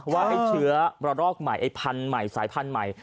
ว่าไอ้เชื้อระลอกใหม่ไอ้พันธุ์ใหม่สายพันธุ์ใหม่